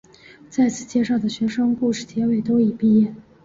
在此介绍的学生故事结尾都已毕业。